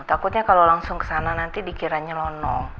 takutnya kalau langsung ke sana nanti dikiranya lonong